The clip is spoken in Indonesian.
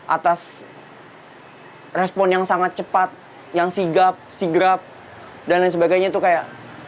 atas respon yang sangat cepat yang sigap sigap dan lain sebagainya itu kayak